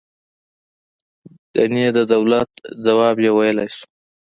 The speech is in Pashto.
ګنې د دولت ځواب یې ویلای شو.